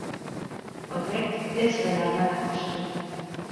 Horrek ez zuen armada poztu.